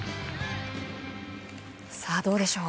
さあ、どうでしょう。